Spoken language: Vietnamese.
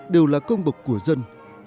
đều là công bậc của dân